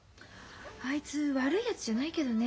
あいつ悪いやつじゃないけどね。